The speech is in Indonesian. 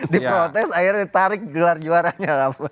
di protes akhirnya ditarik gelar juaranya